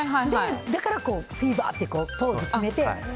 だからフィーバーってポーズを決めて。